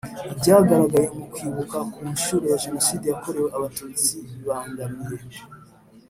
Ibyagaragaye mu kwibuka ku nshuro ya Jenoside yakorewe Abatutsi bibangamiye